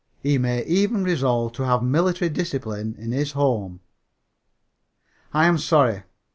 He may even resolve to have military discipline in his home. "I am sorry.